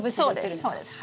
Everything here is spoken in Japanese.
そうです。